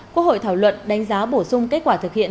quốc hội thảo luận đánh giá bổ sung kết quả thực hiện